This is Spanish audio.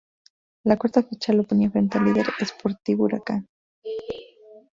La cuarta fecha lo ponía frente al líder "Sportivo Huracán".